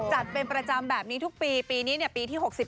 จัดเป็นประจำแบบนี้ทุกปีปีนี้ปีที่๖๔